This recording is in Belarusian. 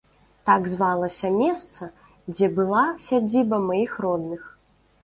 Так звалася места, дзе была сядзіба маіх родных.